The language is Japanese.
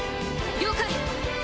了解。